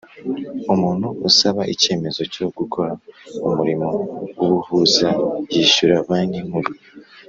umuntu usaba icyemezo cyo gukora umurimo w’ubuhuza yishyura Banki Nkuru